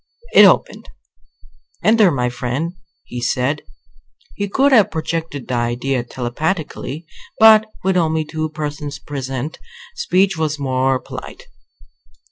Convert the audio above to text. It opened. "Enter, my friend," he said. He could have projected the idea telepathically; but with only two persons present, speech was more polite.